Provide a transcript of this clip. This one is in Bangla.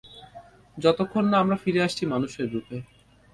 যতক্ষণ না আমরা ফিরে আসছি মানুষের রূপে।